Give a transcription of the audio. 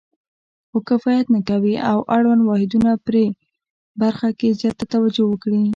خو کفایت نه کوي او اړوند واحدونه پدې برخه کې زیاته توجه وکړي.